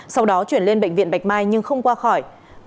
sau đó chuyển lên bệnh viện bạch mai nhưng không quay